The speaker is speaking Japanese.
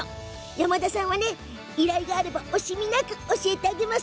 山田さんは、依頼があれば惜しみなく教えてあげています。